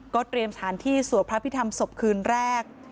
เตรียมสถานที่สวดพระพิธรรมศพคืนแรก